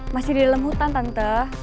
masih di dalam hutan tante